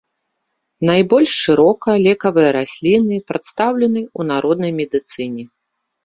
Найбольш шырока лекавыя расліны прадстаўлены ў народнай медыцыне.